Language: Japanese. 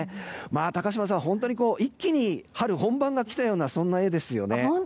高島さん、本当に一気に春本番が来たようなそんな画ですよね。